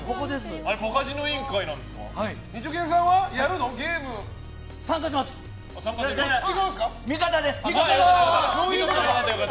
ポカジノ委員会なんですか？